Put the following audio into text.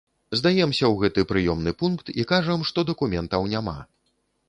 Здаемся ў гэты прыёмны пункт і кажам, што дакументаў няма.